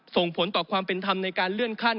ส่งผลต่อความเป็นธรรมในการเลื่อนขั้น